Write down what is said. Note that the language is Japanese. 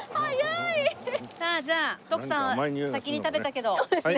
さあじゃあ徳さんは先に食べたけど。